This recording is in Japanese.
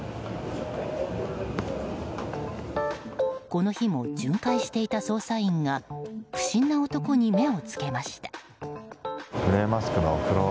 この日も巡回していた捜査員が不審な男に目を付けました。